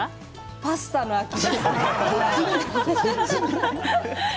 パスタの秋です。